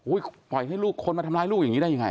ปล่อยให้ลูกคนมาทำร้ายลูกอย่างนี้ได้ยังไง